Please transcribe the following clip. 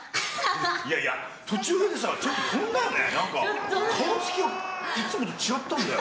いやいや、途中でさ、ちょっと飛んだよね、なんか、顔つきがいつもと違ったんだよ。